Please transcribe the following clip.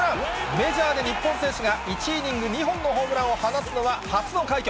メジャーで日本選手が、１イニング２本のホームランを放つのは、初の快挙。